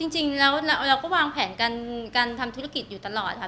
จริงแล้วเราก็วางแผนการทำธุรกิจอยู่ตลอดค่ะ